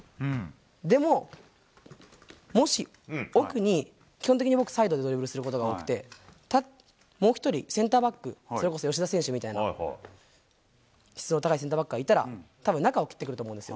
でも、もし奥に、基本的に僕、サイドでドリブルすることが多くて、もう１人、センターバック、それこそ吉田選手みたいな、質の高いセンターバックがいたら、たぶん中を切ってくると思うんですよ。